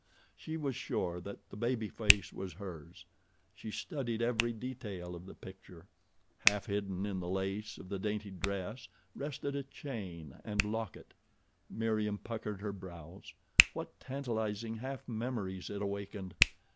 She was sure that the baby face was hers. She studied every detail of the picture. Half hidden in the lace of the dainty dress rested a chain and locket. Meriem puckered her brows. What tantalizing half memories it awakened!